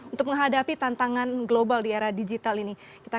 untuk menghadapi tantangan global di era digital ini